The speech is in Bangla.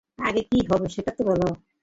আগে কি হবে সেটা তো বল?